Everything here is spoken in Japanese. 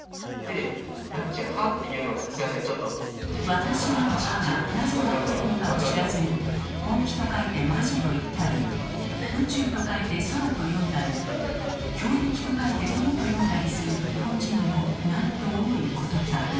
「私は」の「は」がなぜ「わ」というのかも知らずに「本気」と書いて「マジ」といったり「宇宙」と書いて「そら」と読んだり「強敵」と書いて「とも」と読んだりする日本人のなんと多いことか。